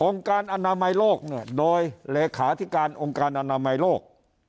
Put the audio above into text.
การอนามัยโลกเนี่ยโดยเลขาธิการองค์การอนามัยโลก